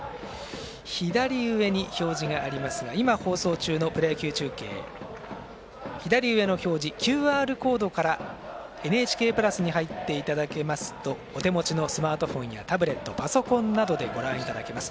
左上に表示がありますが今、放送中のプロ野球中継、左上の表示のＱＲコードコードからＮＨＫプラスに入っていただけますとお手持ちのスマートフォンやタブレット、パソコンなどでご覧いただけます。